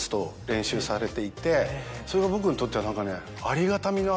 それが僕にとっては何かね。